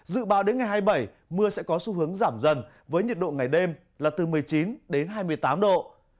dự báo đến ngày hai mươi bảy mưa sẽ có xu hướng giảm dần với nhiệt độ ngày đêm là từ một mươi chín đến hai mươi tám độ